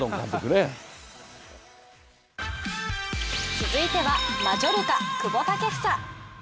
続いてはマジョルカ・久保建英。